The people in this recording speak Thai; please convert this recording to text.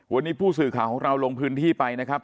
วันนี้ผู้สื่อข่าวของเราลงพื้นที่ไปนะครับ